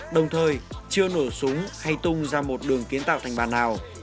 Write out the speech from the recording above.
đồng thời chưa nổ súng hay tung ra một đường kiến tạo thành bàn nào